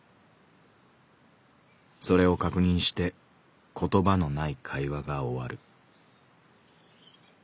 それを確認して言葉のない会話が終わる」。